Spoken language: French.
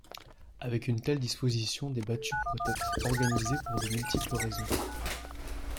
Avec une telle disposition, des battues pourraient être organisées pour de multiples raisons.